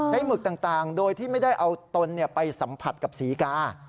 หมึกต่างโดยที่ไม่ได้เอาตนไปสัมผัสกับศรีกา